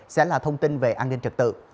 sẽ là thông tin về an ninh trật tự